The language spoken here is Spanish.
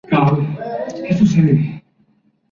La fauna de la reserva es rica y diversa.